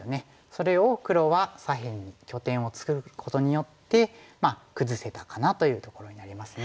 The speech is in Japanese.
それを黒は左辺に拠点を作ることによって崩せたかなというところになりますね。